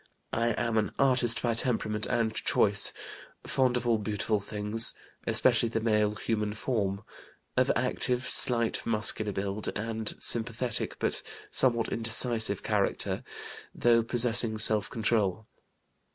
I am an artist by temperament and choice, fond of all beautiful things, especially the male human form; of active, slight, muscular build; and sympathetic, but somewhat indecisive character, though possessing self control.